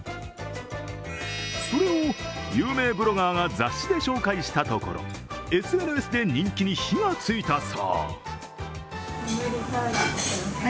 それを有名ブロガーが雑誌で紹介したところ、ＳＮＳで人気に火がついたそう。